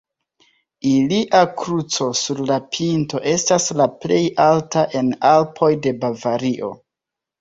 Ilia kruco sur la pinto estas la plej alta en Alpoj de Bavario.